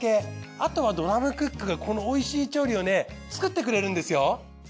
あとはドラムクックがこのおいしい調理をね作ってくれるんですよ。